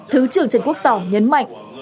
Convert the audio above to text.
thứ trưởng trần quốc tỏ nhấn mạnh